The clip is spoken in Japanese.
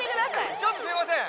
ちょっとすみません。